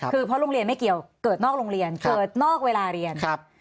คือเพราะโรงเรียนไม่เกี่ยวเกิดนอกโรงเรียนเกิดนอกเวลาเรียน